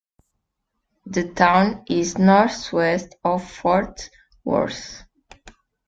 The town is northwest of Fort Worth.